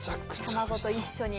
卵と一緒に。